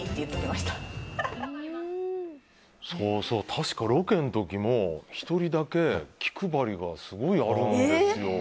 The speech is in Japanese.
確かロケの時も１人だけ気配りがすごいあるんですよ。